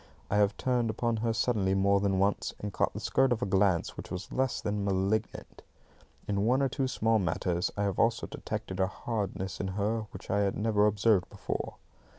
I have turned upon her suddenly more than once, and caught the skirt of a glance which was little less than malignant. In one or two small matters I have also detected a hardness in her which I had never observed before.